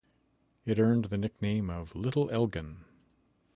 It earned the nickname of "Little Elgin".